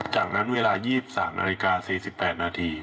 จากนั้นเวลา๒๓นาฬิกา๔๘นาที